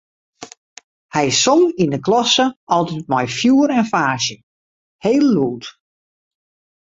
Hy song yn 'e klasse altyd mei fjoer en faasje, heel lûd.